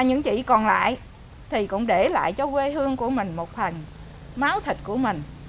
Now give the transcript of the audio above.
những chị còn lại thì cũng để lại cho quê hương của mình một phần máu thịt của mình